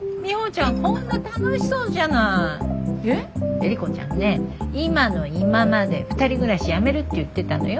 エリコちゃんね今の今まで２人暮らしやめるって言ってたのよ。